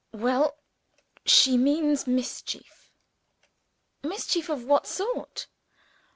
"Well?" "Well she means mischief." "Mischief of what sort?"